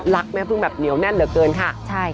แม่พึ่งแบบเหนียวแน่นเหลือเกินค่ะใช่